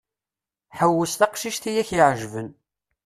Ḥewwes taqcict i ak-iɛejben.